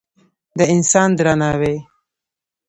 د انسان درناوی